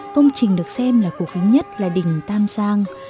công trình được xem là cổ kính nhất là đình tam giang